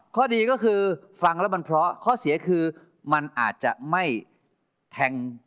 ข้อดีก็คือฟังแล้วมันเพราะข้อเสียคือมันอาจจะไม่แทง